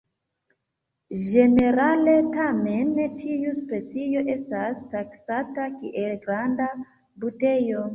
Ĝenerale tamen tiu specio estas taksata kiel granda "Buteo".